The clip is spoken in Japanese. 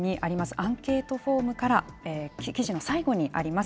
アンケートフォームから、記事の最後にあります